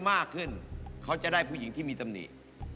มากขึ้นเขาจะได้ผู้หญิงที่มีตำหนิ